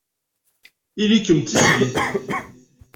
Ili-kem d tislit.